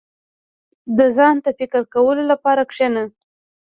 • د ځان ته فکر کولو لپاره کښېنه.